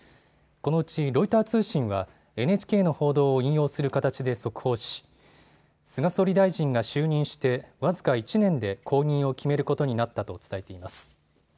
このうちロイター通信はＮＨＫの報道を引用する形で速報し菅総理大臣が就任して僅か１年で後任を決めることになったと伝えています。